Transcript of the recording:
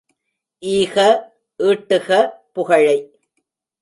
ஈக, ஈட்டுக புகழை.